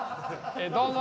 どうも。